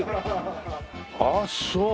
ああそう。